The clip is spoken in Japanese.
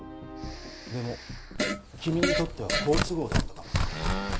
でも君にとっては好都合だったかもな。